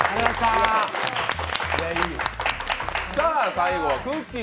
最後はくっきー！